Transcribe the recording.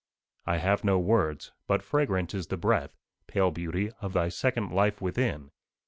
I have no words. But fragrant is the breath, Pale Beauty, of thy second life within.